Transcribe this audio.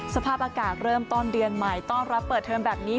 สภาพอากาศเริ่มต้นเดือนใหม่ต้อนรับเปิดเทอมแบบนี้